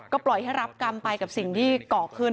ก็ปล่อยให้รับกรรมไปกับสิ่งที่เกาะขึ้น